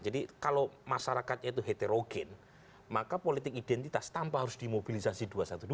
jadi kalau masyarakatnya itu heterogen maka politik identitas tanpa harus dimobilisasi dua ratus dua belas